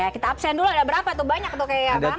kita absen dulu ada berapa tuh banyak tuh kayaknya